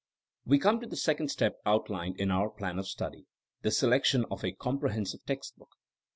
We come to the second step outlined in our plan of study — the selection of a comprehen sive text book.